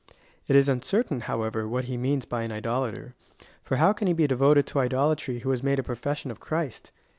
It is uncertain, however, what he means by an idolater. For how can he be devoted to idolatry who has made a pro fession of Christ